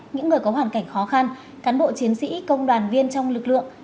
những người có hoàn cảnh khó khăn cán bộ chiến sĩ công đoàn viên trong lực lượng